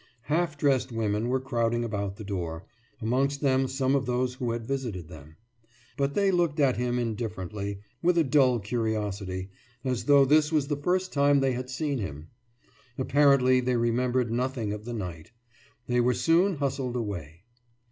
Half dressed women were crowding about the door, amongst them some of those who had visited them. But they looked at him indifferently, with a dull curiosity, as though this was the first time they had seen him. Apparently they remembered nothing of the night. They were soon hustled away.